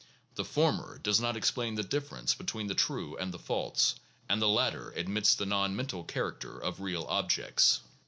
The former does not explain the difference between the true and the false, and the latter admits the non mental character of real objects.